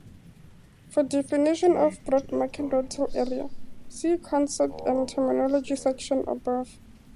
For definition of Broad Market Rental Area, see Concepts and terminology section above.